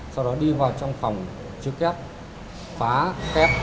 sau đó đi vào trong phòng chứa kép phá kép